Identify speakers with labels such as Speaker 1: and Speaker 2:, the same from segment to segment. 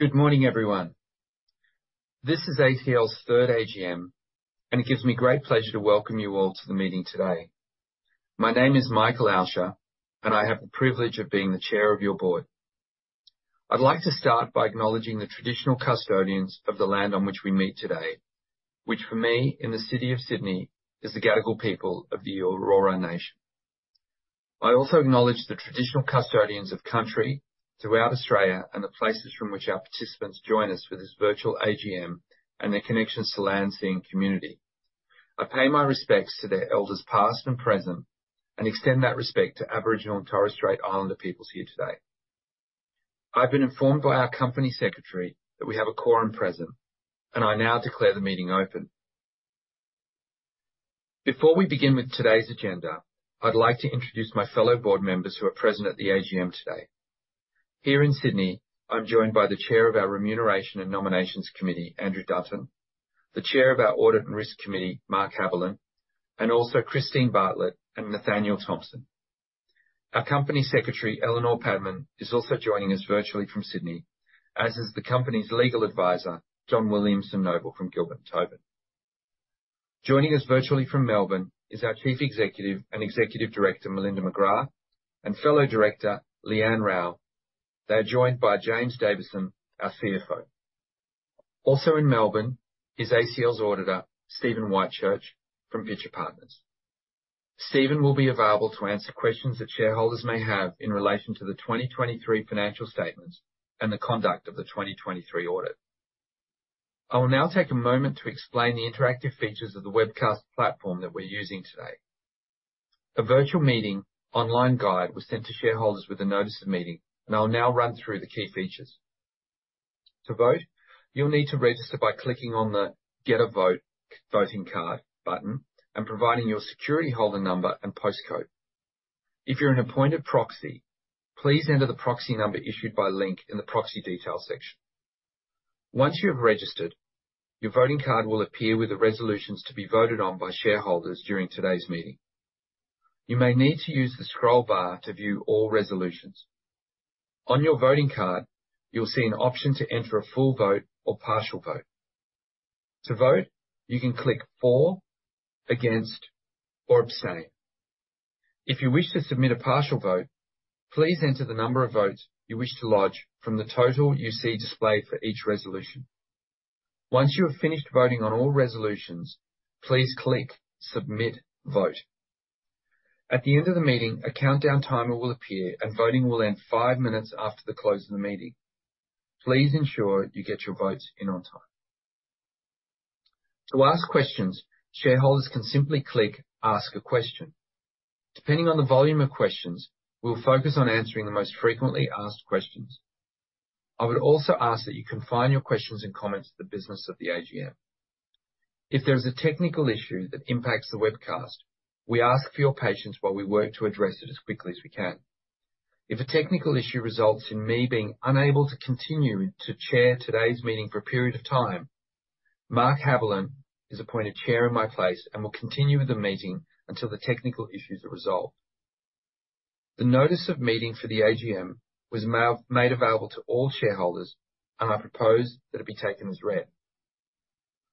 Speaker 1: Good morning, everyone. This is ACL's third AGM, and it gives me great pleasure to welcome you all to the meeting today. My name is Michael Alscher, and I have the privilege of being the Chair of your board. I'd like to start by acknowledging the traditional custodians of the land on which we meet today, which for me, in the city of Sydney, is the Gadigal people of the Eora nation. I also acknowledge the traditional custodians of country throughout Australia, and the places from which our participants join us for this virtual AGM, and their connections to land, sea, and community. I pay my respects to their elders, past and present, and extend that respect to Aboriginal and Torres Strait Islander peoples here today. I've been informed by our company secretary that we have a quorum present, and I now declare the meeting open. Before we begin with today's agenda, I'd like to introduce my fellow board members who are present at the AGM today. Here in Sydney, I'm joined by the Chair of our Remuneration and Nominations Committee, Andrew Dutton, the Chair of our Audit and Risk Committee, Mark Haberlin, and also Christine Bartlett and Nathanial Thomson. Our Company Secretary, Eleanor Padman, is also joining us virtually from Sydney, as is the company's legal advisor, John Williamson-Noble from Gilbert + Tobin. Joining us virtually from Melbourne is our Chief Executive and Executive Director, Melinda McGrath, and fellow director, Leanne Rowe. They are joined by James Davison, our CFO. Also in Melbourne is ACL's auditor, Stephen Whitchurch from Pitcher Partners. Stephen will be available to answer questions that shareholders may have in relation to the 2023 financial statements and the conduct of the 2023 audit. I will now take a moment to explain the interactive features of the webcast platform that we're using today. A virtual meeting online guide was sent to shareholders with a notice of meeting, and I'll now run through the key features. To vote, you'll need to register by clicking on the Get a Vote, Voting Card button and providing your security holder number and postcode. If you're an appointed proxy, please enter the proxy number issued by Link in the proxy details section. Once you have registered, your voting card will appear with the resolutions to be voted on by shareholders during today's meeting. You may need to use the scroll bar to view all resolutions. On your voting card, you'll see an option to enter a full vote or partial vote. To vote, you can click For, Against, or Abstain. If you wish to submit a partial vote, please enter the number of votes you wish to lodge from the total you see displayed for each resolution. Once you have finished voting on all resolutions, please click Submit Vote. At the end of the meeting, a countdown timer will appear, and voting will end five minutes after the close of the meeting. Please ensure you get your votes in on time. To ask questions, shareholders can simply click Ask a Question. Depending on the volume of questions, we'll focus on answering the most frequently asked questions. I would also ask that you confine your questions and comments to the business of the AGM. If there is a technical issue that impacts the webcast, we ask for your patience while we work to address it as quickly as we can. If a technical issue results in me being unable to continue to chair today's meeting for a period of time, Mark Haberlin is appointed chair in my place and will continue with the meeting until the technical issues are resolved. The notice of meeting for the AGM was made available to all shareholders, and I propose that it be taken as read.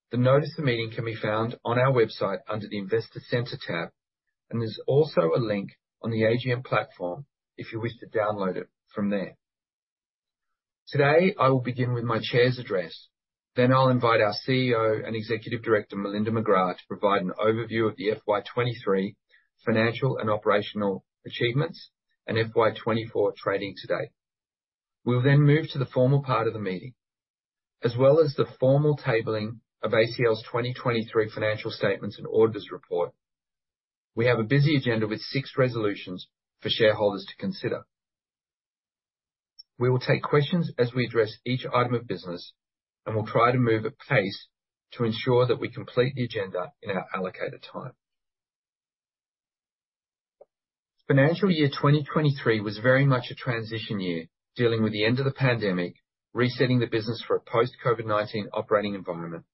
Speaker 1: The notice of meeting can be found on our website under the Investor Centre tab, and there's also a link on the AGM platform if you wish to download it from there. Today, I will begin with my Chair's address. Then I'll invite our Chief Executive Officer and Executive Director, Melinda McGrath, to provide an overview of the FY 2023 financial and operational achievements and FY 2024 trading to date. We'll then move to the formal part of the meeting, as well as the formal tabling of ACL's 2023 financial statements and auditors' report. We have a busy agenda with six resolutions for shareholders to consider. We will take questions as we address each item of business, and we'll try to move at a pace to ensure that we complete the agenda in our allocated time. Financial year 2023 was very much a transition year, dealing with the end of the pandemic, resetting the business for a post-COVID-19 operating environment,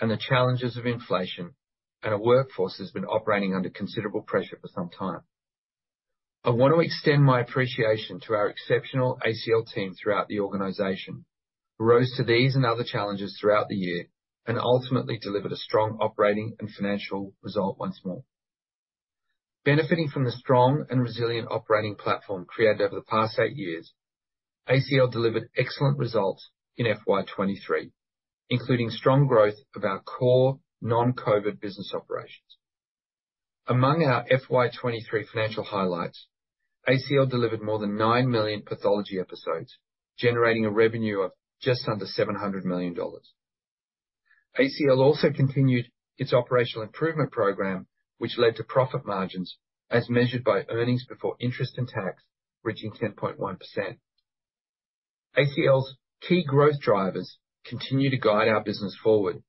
Speaker 1: and the challenges of inflation, and a workforce that's been operating under considerable pressure for some time. I want to extend my appreciation to our exceptional ACL team throughout the organization, who rose to these and other challenges throughout the year and ultimately delivered a strong operating and financial result once more. Benefiting from the strong and resilient operating platform created over the past eight years, ACL delivered excellent results in FY 2023, including strong growth of our core non-COVID business operations. Among our FY 2023 financial highlights, ACL delivered more than 9 million pathology episodes, generating a revenue of just under 700 million dollars. ACL also continued its operational improvement program, which led to profit margins, as measured by earnings before interest and tax, reaching 10.1%. ACL's key growth drivers continue to guide our business forward.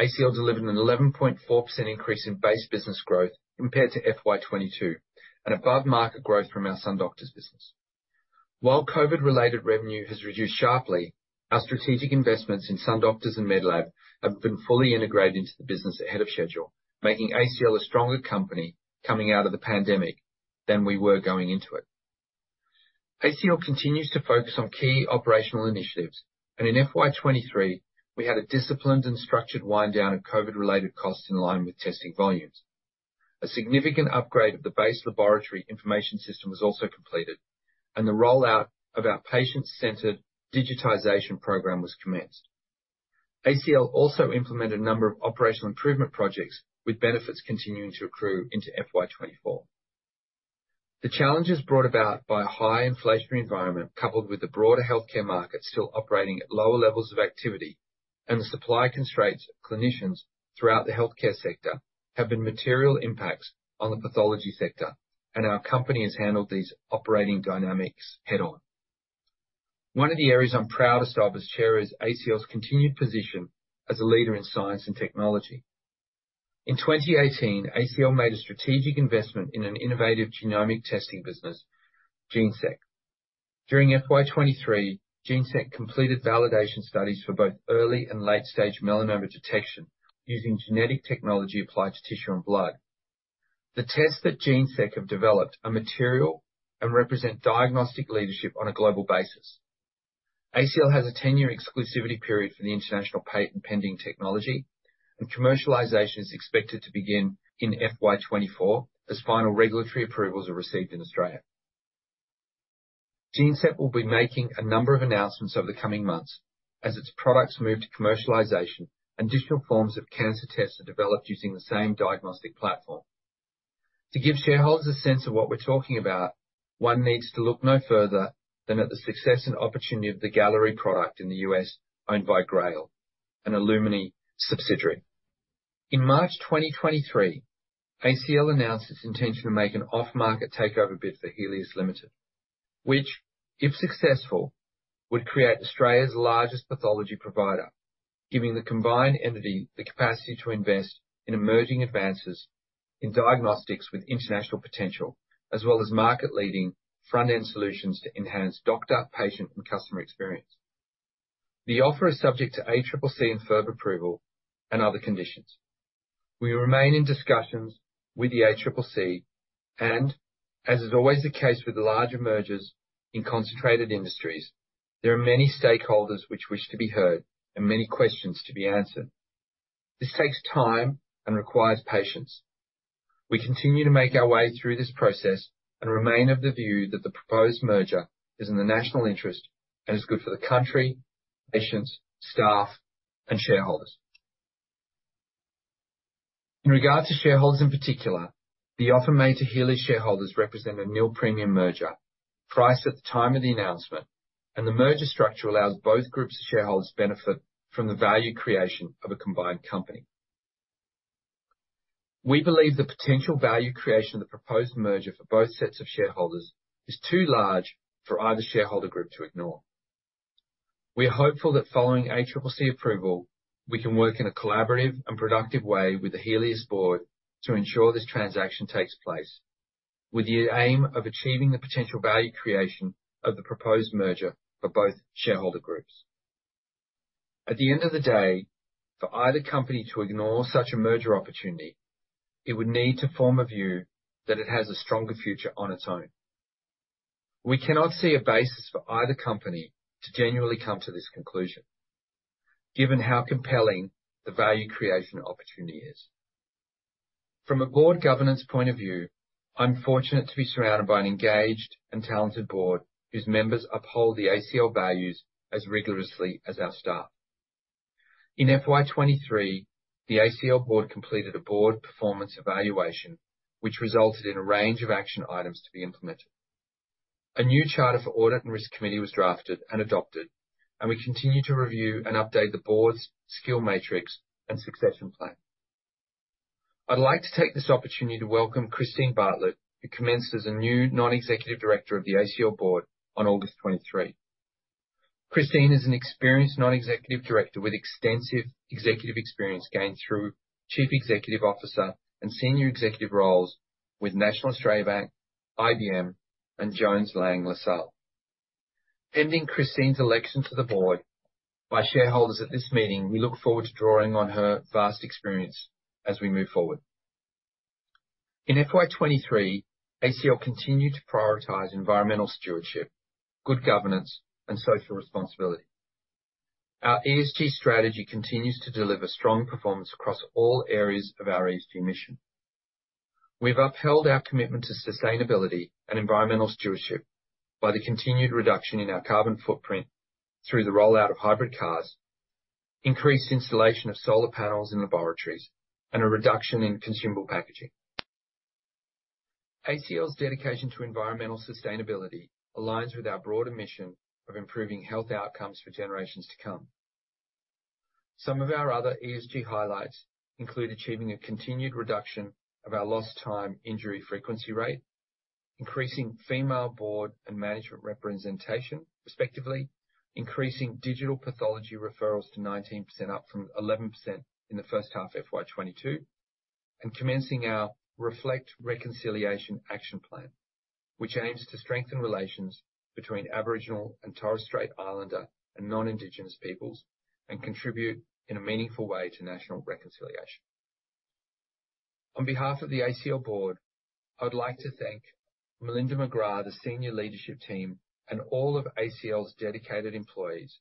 Speaker 1: ACL delivered an 11.4% increase in base business growth compared to FY 2022, and above-market growth from our SunDoctors business. While COVID-related revenue has reduced sharply, our strategic investments in SunDoctors and Medlab have been fully integrated into the business ahead of schedule, making ACL a stronger company coming out of the pandemic.... than we were going into it. ACL continues to focus on key operational initiatives, and in FY 2023, we had a disciplined and structured wind-down of COVID-related costs in line with testing volumes. A significant upgrade of the base laboratory information system was also completed, and the rollout of our patient-centered digitization program was commenced. ACL also implemented a number of operational improvement projects, with benefits continuing to accrue into FY 2024. The challenges brought about by a high inflationary environment, coupled with the broader healthcare market still operating at lower levels of activity, and the supply constraints of clinicians throughout the healthcare sector, have been material impacts on the pathology sector, and our company has handled these operating dynamics head-on. One of the areas I'm proudest of as Chair, is ACL's continued position as a leader in science and technology. In 2018, ACL made a strategic investment in an innovative genomic testing business, Geneseq. During FY 2023, Geneseq completed validation studies for both early and late-stage melanoma detection using genetic technology applied to tissue and blood. The tests that Geneseq have developed are material, and represent diagnostic leadership on a global basis. ACL has a 10-year exclusivity period for the international patent-pending technology, and commercialization is expected to begin in FY 2024 as final regulatory approvals are received in Australia. Geneseq will be making a number of announcements over the coming months as its products move to commercialization, and additional forms of cancer tests are developed using the same diagnostic platform. To give shareholders a sense of what we're talking about, one needs to look no further than at the success and opportunity of the Galleri product in the U.S., owned by Grail, an Illumina subsidiary. In March 2023, ACL announced its intention to make an off-market takeover bid for Healius Limited, which, if successful, would create Australia's largest pathology provider, giving the combined entity the capacity to invest in emerging advances in diagnostics with international potential, as well as market-leading front-end solutions to enhance doctor, patient, and customer experience. The offer is subject to ACCC and FIRB approval, and other conditions. We remain in discussions with the ACCC, and as is always the case with larger mergers in concentrated industries, there are many stakeholders which wish to be heard and many questions to be answered. This takes time and requires patience. We continue to make our way through this process, and remain of the view that the proposed merger is in the national interest, and is good for the country, patients, staff, and shareholders. In regards to shareholders in particular, the offer made to Healius shareholders represents a nil-premium merger, priced at the time of the announcement, and the merger structure allows both groups of shareholders to benefit from the value creation of a combined company. We believe the potential value creation of the proposed merger for both sets of shareholders is too large for either shareholder group to ignore. We are hopeful that following ACCC approval, we can work in a collaborative and productive way with the Healius board to ensure this transaction takes place, with the aim of achieving the potential value creation of the proposed merger for both shareholder groups. At the end of the day, for either company to ignore such a merger opportunity, it would need to form a view that it has a stronger future on its own. We cannot see a basis for either company to genuinely come to this conclusion, given how compelling the value creation opportunity is. From a board governance point of view, I'm fortunate to be surrounded by an engaged and talented board, whose members uphold the ACL values as rigorously as our staff. In FY 2023, the ACL board completed a board performance evaluation, which resulted in a range of action items to be implemented. A new charter for Audit and Risk Committee was drafted and adopted, and we continue to review and update the board's skill matrix and succession plan. I'd like to take this opportunity to welcome Christine Bartlett, who commenced as a new non-executive Director of the ACL board on August 2023. Christine is an experienced non-executive Director with extensive executive experience gained through chief executive officer and senior executive roles with National Australia Bank, IBM, and Jones Lang LaSalle. Pending Christine's election to the board by shareholders at this meeting, we look forward to drawing on her vast experience as we move forward. In FY 2023, ACL continued to prioritize environmental stewardship, good governance, and social responsibility. Our ESG strategy continues to deliver strong performance across all areas of our ESG mission. We've upheld our commitment to sustainability and environmental stewardship by the continued reduction in our carbon footprint through the rollout of hybrid cars, increased installation of solar panels in laboratories, and a reduction in consumable packaging. ACL's dedication to environmental sustainability aligns with our broader mission of improving health outcomes for generations to come. Some of our other ESG highlights include achieving a continued reduction of our lost time injury frequency rate, increasing female board and management representation, respectively, increasing digital pathology referrals to 19%, up from 11% in the first half of FY 2022, and commencing our Reflect Reconciliation Action Plan, which aims to strengthen relations between Aboriginal and Torres Strait Islander and non-Indigenous peoples, and contribute in a meaningful way to national reconciliation. On behalf of the ACL board, I'd like to thank Melinda McGrath, the senior leadership team, and all of ACL's dedicated employees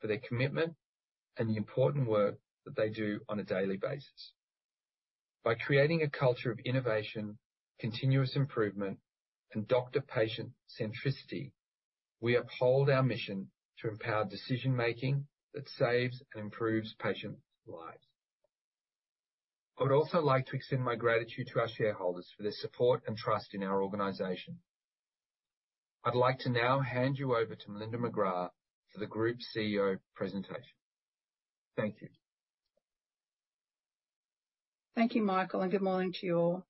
Speaker 1: for their commitment and the important work that they do on a daily basis. By creating a culture of innovation, continuous improvement, and doctor-patient centricity, we uphold our mission to empower decision-making that saves and improves patient lives. I would also like to extend my gratitude to our shareholders for their support and trust in our organization. I'd like to now hand you over to Melinda McGrath for the group CEO presentation. Thank you.
Speaker 2: Thank you, Michael, and good morning to you all.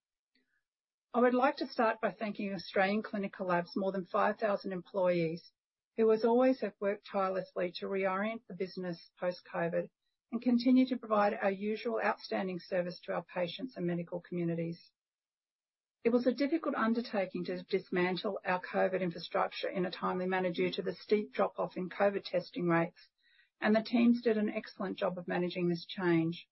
Speaker 2: I would like to start by thanking Australian Clinical Labs, more than 5,000 employees, who as always, have worked tirelessly to reorient the business post-COVID, and continue to provide our usual outstanding service to our patients and medical communities. It was a difficult undertaking to dismantle our COVID infrastructure in a timely manner, due to the steep drop-off in COVID testing rates, and the teams did an excellent job of managing this change.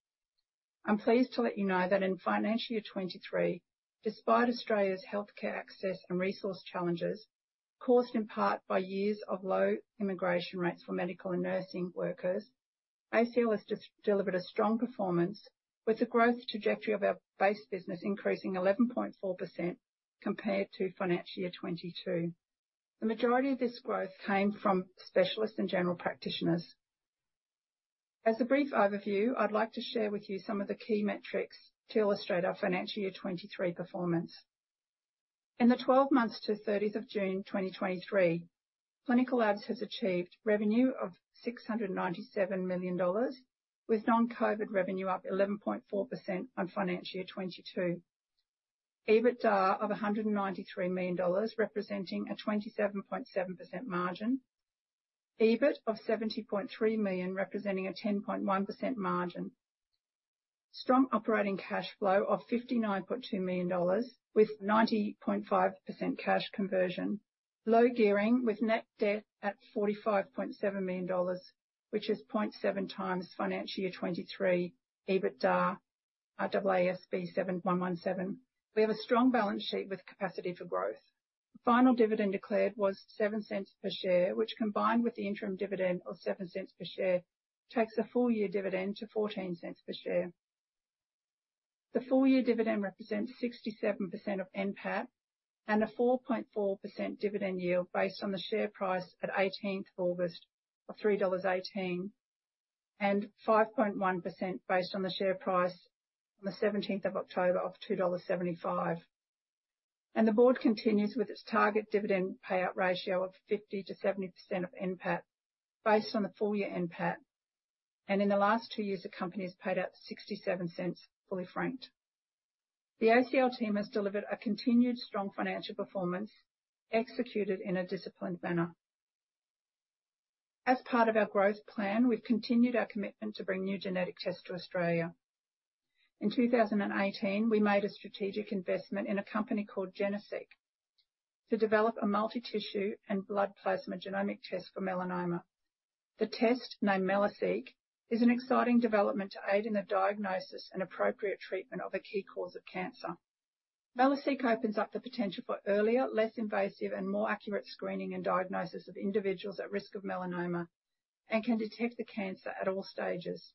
Speaker 2: I'm pleased to let you know that in financial year 2023, despite Australia's healthcare access and resource challenges, caused in part by years of low immigration rates for medical and nursing workers, ACL has just delivered a strong performance, with the growth trajectory of our base business increasing 11.4% compared to financial year 2022. The majority of this growth came from specialists and general practitioners. As a brief overview, I'd like to share with you some of the key metrics to illustrate our financial year 2023 performance. In the 12 months to 30th of June, 2023, Clinical Labs has achieved revenue of $697 million, with non-COVID revenue up 11.4% on financial year 2022. EBITDA of $193 million, representing a 27.7% margin. EBIT of 70.3 million, representing a 10.1% margin. Strong operating cash flow of $59.2 million with 90.5% cash conversion. Low gearing with net debt at $45.7 million, which is 0.7 times financial year 2023 EBITDA, AASB 117. We have a strong balance sheet with capacity for growth. The final dividend declared was $0.07 per share, which, combined with the interim dividend of $0.07 per share, takes the full-year dividend to $0.14 per share. The full-year dividend represents 67% of NPAT and a 4.4% dividend yield, based on the share price at 18th August of $3.18, and 5.1%, based on the share price on 17th October of $2.75. The board continues with its target dividend payout ratio of 50%-70% of NPAT, based on the full-year NPAT, and in the last two years, the company has paid out $0.67, fully franked. The ACL team has delivered a continued strong financial performance, executed in a disciplined manner. As part of our growth plan, we've continued our commitment to bring new genetic tests to Australia. In 2018, we made a strategic investment in a company called Geneseq, to develop a multi-tissue and blood plasma genomic test for melanoma. The test, named Melaseq, is an exciting development to aid in the diagnosis and appropriate treatment of a key cause of cancer. Melaseq opens up the potential for earlier, less invasive, and more accurate screening and diagnosis of individuals at risk of melanoma, and can detect the cancer at all stages.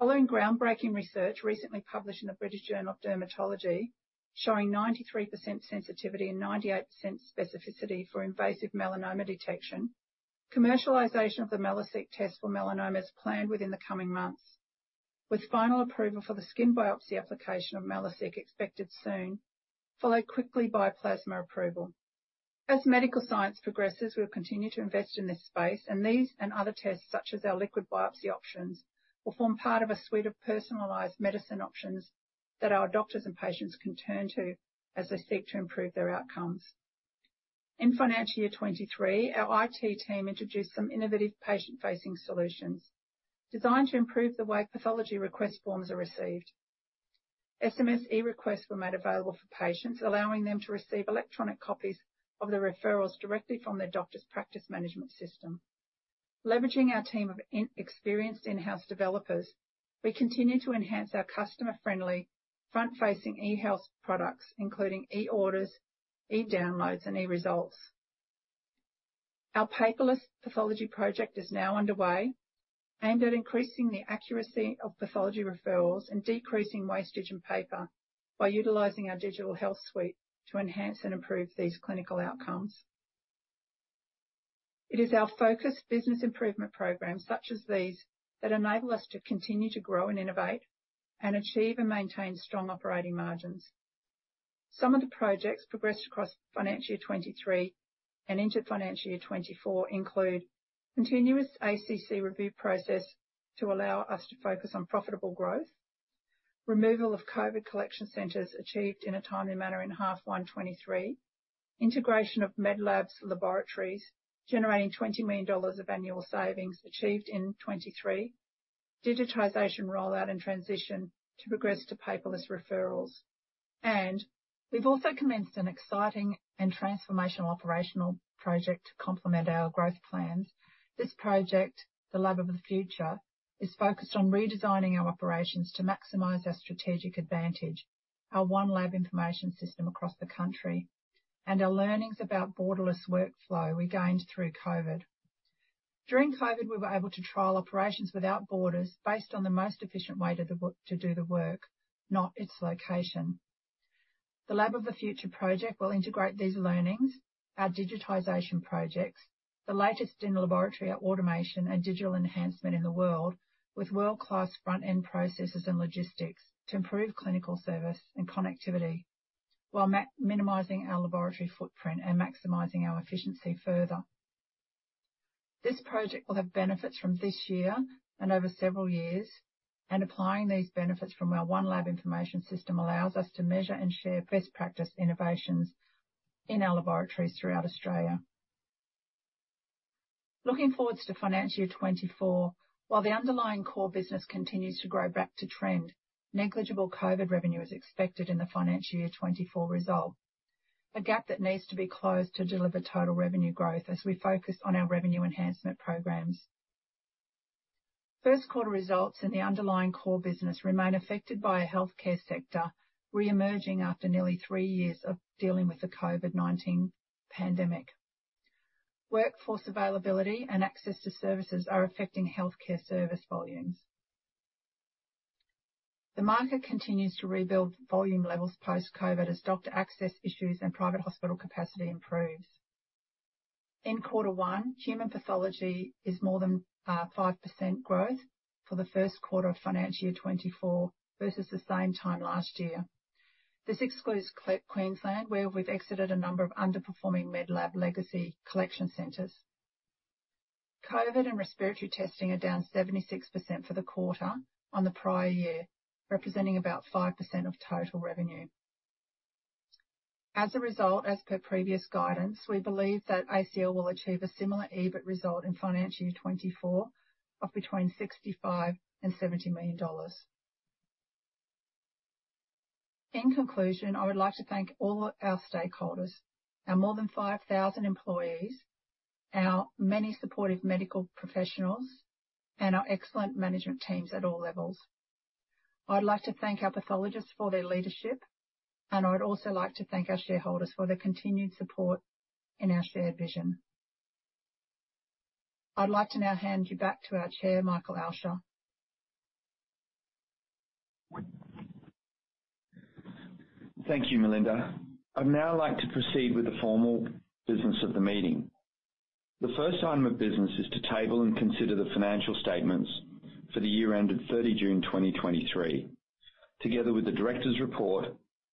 Speaker 2: Following groundbreaking research, recently published in the British Journal of Dermatology, showing 93% sensitivity and 98% specificity for invasive melanoma detection, commercialization of the Melaseq test for melanoma is planned within the coming months, with final approval for the skin biopsy application of Melaseq expected soon, followed quickly by plasma approval. As medical science progresses, we'll continue to invest in this space, and these and other tests, such as our liquid biopsy options, will form part of a suite of personalized medicine options that our doctors and patients can turn to as they seek to improve their outcomes. In financial year 2023, our IT team introduced some innovative patient-facing solutions designed to improve the way pathology request forms are received. SMS eRequests were made available for patients, allowing them to receive electronic copies of their referrals directly from their doctor's practice management system. Leveraging our team of experienced in-house developers, we continue to enhance our customer-friendly, front-facing e-health products, including eOrders, eDownloads, and eResults. Our paperless pathology project is now underway, aimed at increasing the accuracy of pathology referrals and decreasing wastage and paper, by utilizing our digital health suite to enhance and improve these clinical outcomes. It is our focused business improvement programs, such as these, that enable us to continue to grow and innovate, and achieve and maintain strong operating margins. Some of the projects progressed across financial year 2023 and into financial year 2024 include a continuous ACCC review process to allow us to focus on profitable growth. Removal of COVID collection centers, achieved in a timely manner in half one, 2023. Integration of Medlab Pathology, generating $20 million of annual savings, achieved in 2023. Digitization rollout and transition to progress to paperless referrals. We've also commenced an exciting and transformational operational project to complement our growth plans. This project, Lab of the Future, is focused on redesigning our operations to maximize our strategic advantage, our one lab information system across the country, and our learnings about borderless workflow we gained through COVID. During COVID, we were able to trial operations without borders, based on the most efficient way to do the work, not its location. The Lab of the Future project will integrate these learnings, our digitization projects, the latest in laboratory automation and digital enhancement in the world, with world-class front-end processes and logistics to improve clinical service and connectivity, while minimizing our laboratory footprint and maximizing our efficiency further. This project will have benefits from this year and over several years, and applying these benefits from our one lab information system allows us to measure and share best practice innovations in our laboratories throughout Australia. Looking forward to financial year 2024, while the underlying core business continues to grow back to trend, negligible COVID revenue is expected in the financial year 2024 result, a gap that needs to be closed to deliver total revenue growth as we focus on our revenue enhancement programs. First quarter results in the underlying core business remain affected by a healthcare sector reemerging after nearly three years of dealing with the COVID-19 pandemic. Workforce availability and access to services are affecting healthcare service volumes. The market continues to rebuild volume levels post-COVID as doctor access issues and private hospital capacity improves. In quarter one, human pathology is more than 5% growth for the first quarter of financial year 2024 versus the same time last year. This excludes Queensland, where we've exited a number of underperforming Medlab legacy collection centers. COVID and respiratory testing are down 76% for the quarter on the prior year, representing about 5% of total revenue. As a result, as per previous guidance, we believe that ACL will achieve a similar EBIT result in financial year 2024 of between $65 million and $70 million. In conclusion, I would like to thank all our stakeholders, our more than 5,000 employees, our many supportive medical professionals, and our excellent management teams at all levels. I'd like to thank our pathologists for their leadership, and I'd also like to thank our shareholders for their continued support in our shared vision. I'd like to now hand you back to our chair, Michael Alscher.
Speaker 1: Thank you, Melinda. I'd now like to proceed with the formal business of the meeting. The first item of business is to table and consider the financial statements for the year ended 30 June 2023, together with the director's report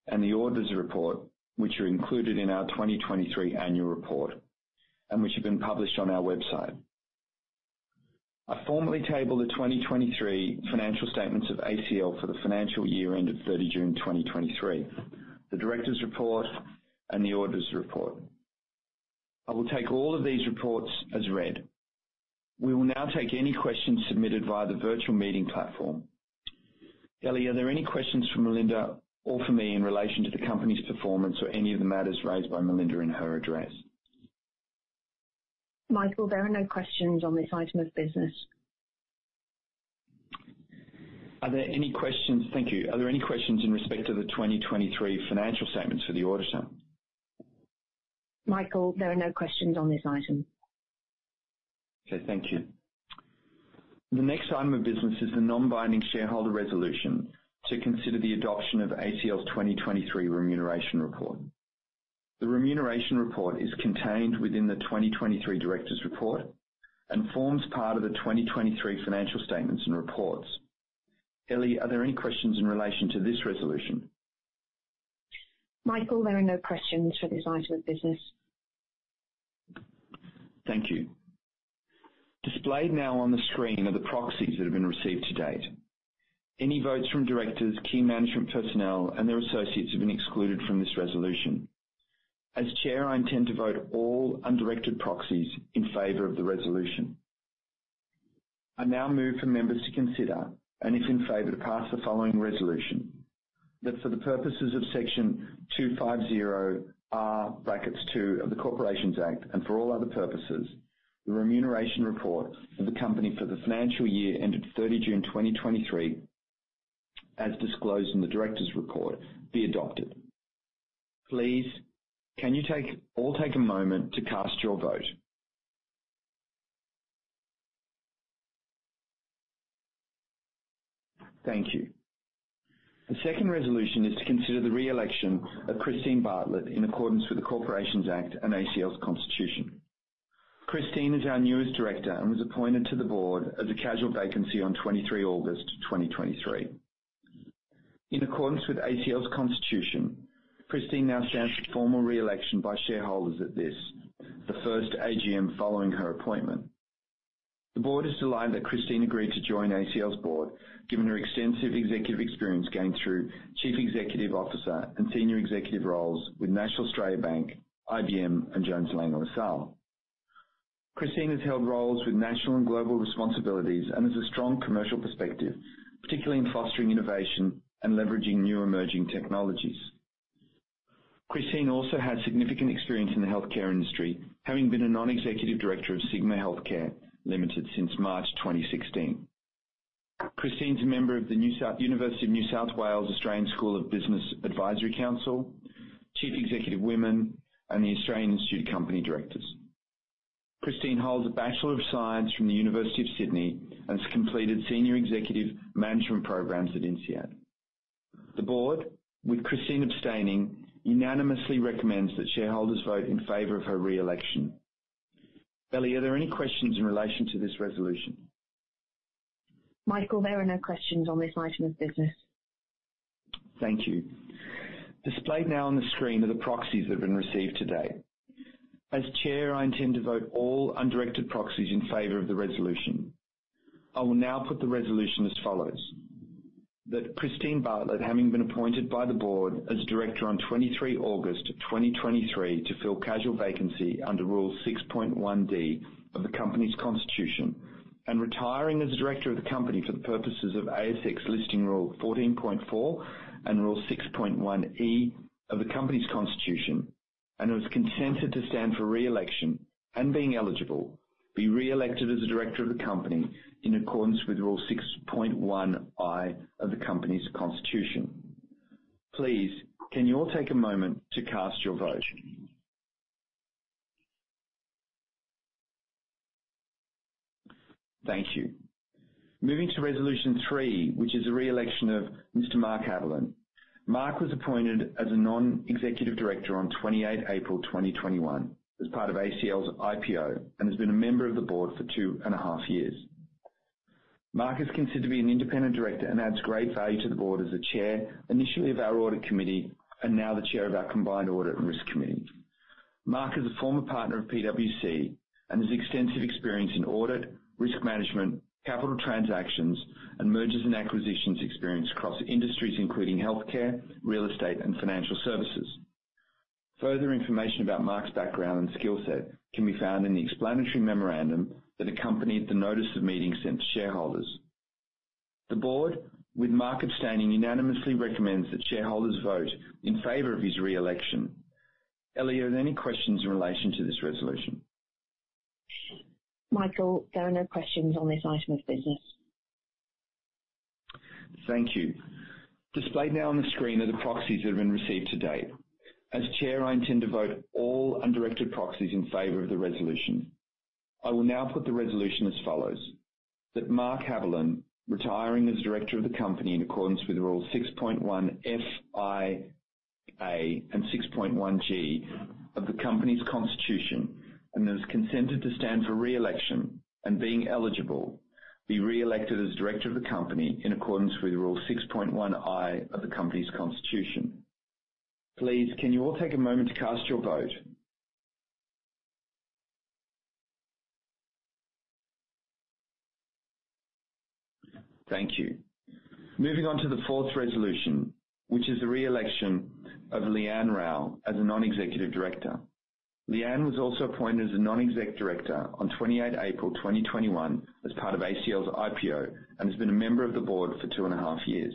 Speaker 1: and the auditor's report, which are included in our 2023 annual report, and which have been published on our website. I formally table the 2023 financial statements of ACL for the financial year ended 30 June 2023, the director's report and the auditor's report. I will take all of these reports as read. We will now take any questions submitted via the virtual meeting platform. Ellie, are there any questions for Melinda or for me in relation to the company's performance or any of the matters raised by Melinda in her address?
Speaker 3: Michael, there are no questions on this item of business.
Speaker 1: Are there any questions? Thank you. Are there any questions in respect to the 2023 financial statements for the auditor?
Speaker 3: Michael, there are no questions on this item.
Speaker 1: Okay, thank you. The next item of business is the non-binding shareholder resolution to consider the adoption of ACL's 2023 remuneration report. The remuneration report is contained within the 2023 directors' report and forms part of the 2023 financial statements and reports. Ellie, are there any questions in relation to this resolution?
Speaker 3: Michael, there are no questions for this item of business.
Speaker 1: Thank you. Displayed now on the screen are the proxies that have been received to date. Any votes from directors, key management personnel, and their associates have been excluded from this resolution. As Chair, I intend to vote all undirected proxies in favor of the resolution. I now move for members to consider, and if in favor, to pass the following resolution: That for the purposes of Section 250R(2) of the Corporations Act, and for all other purposes, the remuneration report of the company for the financial year ended 30 June 2023, as disclosed in the directors' report, be adopted. Please, can you all take a moment to cast your vote. Thank you. The second resolution is to consider the re-election of Christine Bartlett in accordance with the Corporations Act and ACL's constitution. Christine is our newest director and was appointed to the board as a casual vacancy on 23 August 2023. In accordance with ACL's constitution, Christine now stands for formal re-election by shareholders at this, the first AGM following her appointment. The board is delighted that Christine agreed to join ACL's board, given her extensive executive experience, going through Chief Executive Officer and Senior Executive roles with National Australia Bank, IBM, and Jones Lang LaSalle. Christine has held roles with national and global responsibilities and has a strong commercial perspective, particularly in fostering innovation and leveraging new emerging technologies. Christine also has significant experience in the healthcare industry, having been a non-executive director of Sigma Healthcare Limited since March 2016. Christine's a member of the University of New South Wales Australian School of Business Advisory Council, Chief Executive Women, and the Australian Institute of Company Directors. Christine holds a Bachelor of Science from the University of Sydney and has completed senior executive management programs at INSEAD. The board, with Christine abstaining, unanimously recommends that shareholders vote in favor of her re-election. Ellie, are there any questions in relation to this resolution?
Speaker 3: Michael, there are no questions on this item of business.
Speaker 1: Thank you. Displayed now on the screen are the proxies that have been received today. As chair, I intend to vote all undirected proxies in favor of the resolution. I will now put the resolution as follows: That Christine Bartlett, having been appointed by the board as director on 23 August 2023 to fill a casual vacancy under Rule 6.1(d) of the Company's Constitution, and retiring as a director of the Company for the purposes of ASX Listing Rule 14.4 and Rule 6.1(e) of the Company's Constitution, and has consented to stand for re-election, and being eligible, be re-elected as a director of the Company in accordance with Rule 6.1(i) of the Company's Constitution. Please, can you all take a moment to cast your vote? Thank you. Moving to Resolution Three, which is the re-election of Mr. Mark Haberlin. Mark was appointed as a non-executive Director on 28 April 2021 as part of ACL's IPO and has been a member of the board for two and a half years. Mark is considered to be an Independent Director and adds great value to the board as the Chair, initially of our Audit Committee, and now the chair of our combined Audit and Risk Committee. Mark is a former partner of PwC and has extensive experience in audit, risk management, capital transactions, and mergers and acquisitions experience across industries including healthcare, real estate, and financial services. Further information about Mark's background and skill set can be found in the explanatory memorandum that accompanied the notice of meeting sent to shareholders. The board, with Mark abstaining, unanimously recommends that shareholders vote in favor of his re-election. Ellie, are there any questions in relation to this resolution?
Speaker 3: Michael, there are no questions on this item of business.
Speaker 1: Thank you. Displayed now on the screen are the proxies that have been received to date. As chair, I intend to vote all undirected proxies in favor of the resolution. I will now put the resolution as follows, that Mark Haberlin, retiring as Director of the Company in accordance with Rule 6.1(f)(i)(a) and 6.1(g) of the Company's Constitution, and has consented to stand for re-election, and being eligible, be re-elected as Director of the Company in accordance with Rule 6.1(i) of the Company's Constitution. Please, can you all take a moment to cast your vote? Thank you. Moving on to the fourth resolution, which is the re-election of Leanne Rowe as a non-executive Director. Leanne was also appointed as a non-executive Director on 28 April 2021 as part of ACL's IPO and has been a member of the board for two and a half years.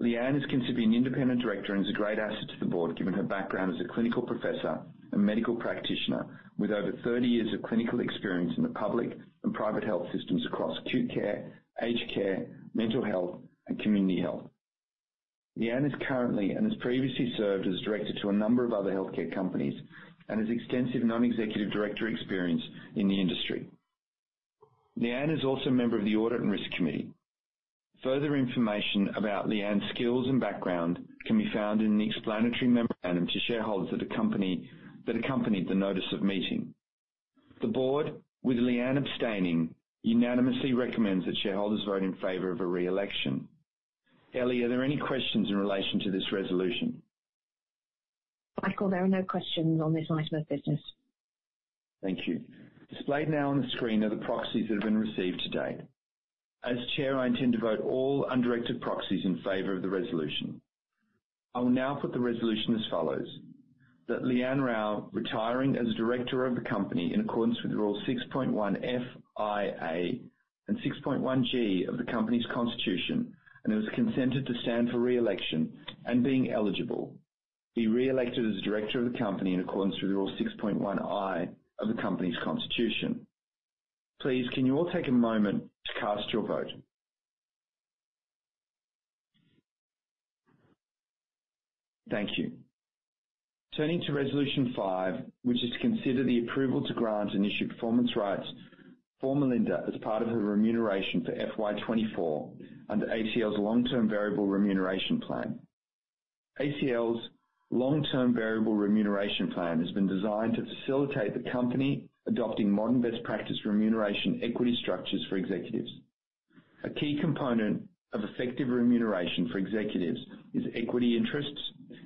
Speaker 1: Leanne is considered an independent director and is a great asset to the board, given her background as a clinical professor and medical practitioner with over 30 years of clinical experience in the public and private health systems across acute care, aged care, mental health, and community health. Leanne is currently, and has previously served, as director to a number of other healthcare companies and has extensive non-executive Director experience in the industry. Leanne is also a member of the Audit and Risk Committee. Further information about Leanne's skills and background can be found in the explanatory memorandum to shareholders that accompany... that accompanied the notice of meeting. The board, with Leanne abstaining, unanimously recommends that shareholders vote in favor of her re-election. Ellie, are there any questions in relation to this resolution?
Speaker 3: Michael, there are no questions on this item of business.
Speaker 1: Thank you. Displayed now on the screen are the proxies that have been received today. As chair, I intend to vote all undirected proxies in favor of the resolution. I will now put the resolution as follows, that Leanne Rowe, retiring as a director of the Company in accordance with Rule 6.1(f)(i)(a)and 6.1(g) of the Company's Constitution, and has consented to stand for re-election, and being eligible, be re-elected as a director of the Company in accordance with Rule 6.1(i) of the Company's Constitution. Please, can you all take a moment to cast your vote? Thank you. Turning to Resolution Five, which is to consider the approval to grant and issue performance rights for Melinda as part of her remuneration for FY 2024 under ACL's long-term variable remuneration plan. ACL's long-term variable remuneration plan has been designed to facilitate the company adopting modern best practice remuneration equity structures for executives. A key component of effective remuneration for executives is equity interests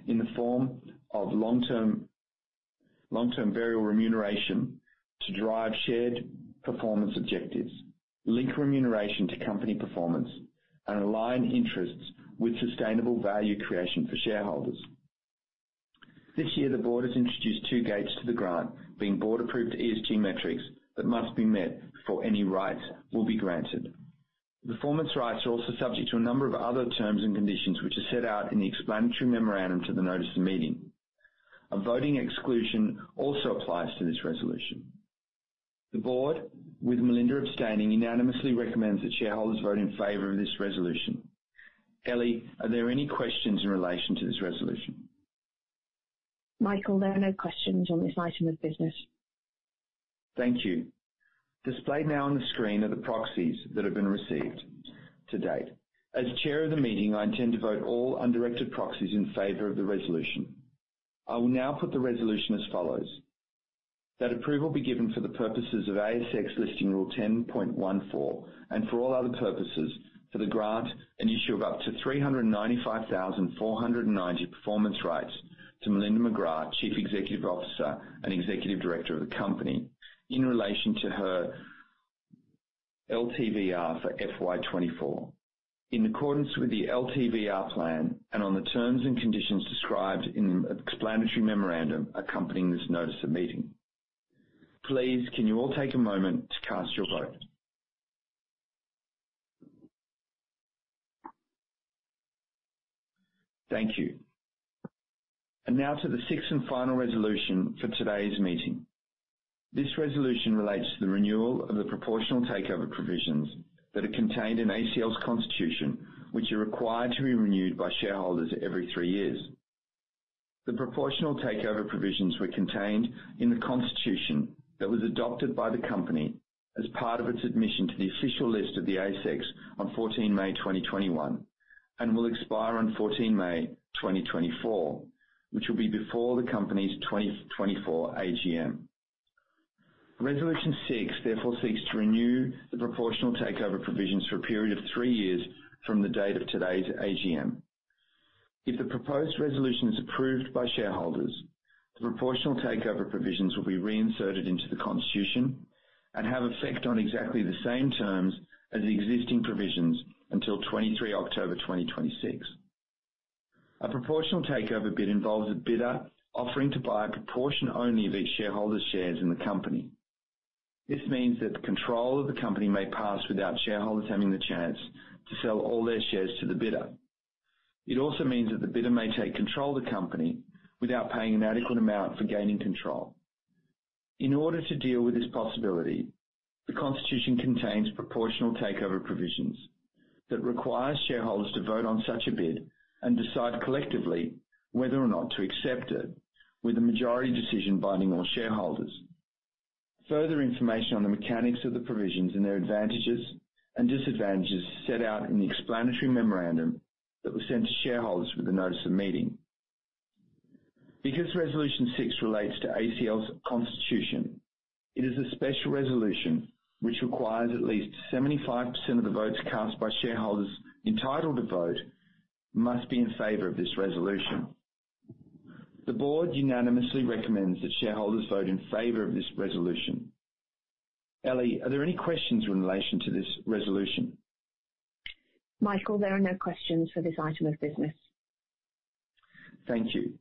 Speaker 1: in the form of long-term, long-term variable remuneration to drive shared performance objectives, link remuneration to company performance and align interests with sustainable value creation for shareholders. This year, the board has introduced two gates to the grant, being board-approved ESG metrics that must be met before any rights will be granted. The performance rights are also subject to a number of other terms and conditions, which are set out in the explanatory memorandum to the notice of meeting. A voting exclusion also applies to this resolution. The board, with Melinda abstaining, unanimously recommends that shareholders vote in favor of this resolution. Ellie, are there any questions in relation to this resolution?
Speaker 3: Michael, there are no questions on this item of business.
Speaker 1: Thank you. Displayed now on the screen are the proxies that have been received to date. As chair of the meeting, I intend to vote all undirected proxies in favor of the resolution. I will now put the resolution as follows: That approval be given for the purposes of ASX Listing Rule 10.14, and for all other purposes, for the grant and issue of up to 395,490 performance rights to Melinda McGrath, Chief Executive Officer and Executive Director of the company, in relation to her LTVR for FY 2024. In accordance with the LTVR plan and on the terms and conditions described in the explanatory memorandum accompanying this notice of meeting. Please, can you all take a moment to cast your vote? Thank you. And now to the sixth and final resolution for today's meeting. This resolution relates to the renewal of the proportional takeover provisions that are contained in ACL's constitution, which are required to be renewed by shareholders every three years. The proportional takeover provisions were contained in the constitution that was adopted by the company as part of its admission to the official list of the ASX on 14 May 2021, and will expire on 14 May 2024, which will be before the company's 2024 AGM. Resolution six therefore seeks to renew the proportional takeover provisions for a period of three years from the date of today's AGM. If the proposed resolution is approved by shareholders, the proportional takeover provisions will be reinserted into the Constitution and have effect on exactly the same terms as the existing provisions until 23 October 2026. A proportional takeover bid involves a bidder offering to buy a proportion only of each shareholder's shares in the company. This means that the control of the company may pass without shareholders having the chance to sell all their shares to the bidder. It also means that the bidder may take control of the company without paying an adequate amount for gaining control. In order to deal with this possibility, the Constitution contains proportional takeover provisions that require shareholders to vote on such a bid and decide collectively whether or not to accept it, with the majority decision binding all shareholders. Further information on the mechanics of the provisions and their advantages and disadvantages are set out in the explanatory memorandum that was sent to shareholders with the notice of meeting. Because Resolution six relates to ACL's constitution, it is a special resolution, which requires at least 75% of the votes cast by shareholders entitled to vote must be in favor of this resolution. The board unanimously recommends that shareholders vote in favor of this resolution. Ellie, are there any questions in relation to this resolution?
Speaker 3: Michael, there are no questions for this item of business.
Speaker 1: Thank you.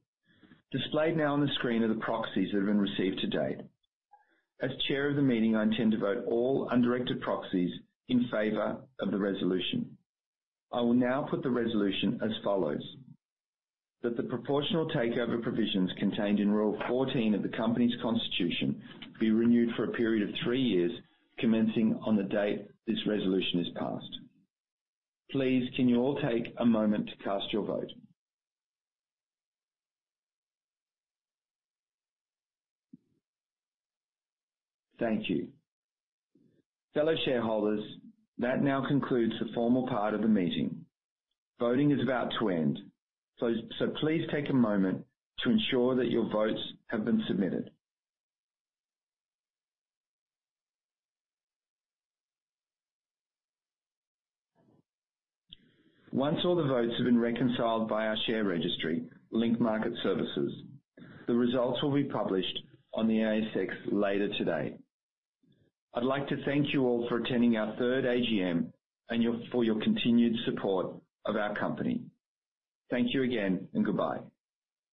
Speaker 1: Displayed now on the screen are the proxies that have been received to date. As chair of the meeting, I intend to vote all undirected proxies in favor of the resolution. I will now put the resolution as follows: That the proportional takeover provisions contained in Rule 14 of the company's constitution be renewed for a period of three years, commencing on the date this resolution is passed. Please, can you all take a moment to cast your vote? Thank you. Fellow shareholders, that now concludes the formal part of the meeting. Voting is about to end, so please take a moment to ensure that your votes have been submitted. Once all the votes have been reconciled by our share registry, Link Market Services, the results will be published on the ASX later today. I'd like to thank you all for attending our third AGM and for your continued support of our company. Thank you again and goodbye.